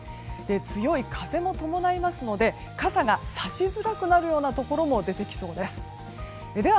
強い風も伴いますので傘が差しづらくなるようなところも出てきそうです。